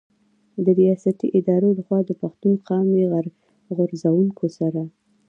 د رياستي ادارو له خوا د پښتون قامي غرځنګونو سره